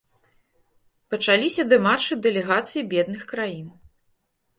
Пачаліся дэмаршы дэлегацый бедных краін.